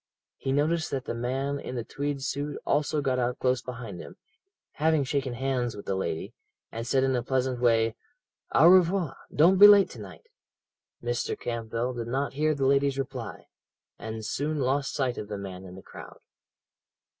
He noticed that the man in the tweed suit also got out close behind him, having shaken hands with the lady, and said in a pleasant way: 'Au revoir! Don't be late to night.' Mr. Campbell did not hear the lady's reply, and soon lost sight of the man in the crowd.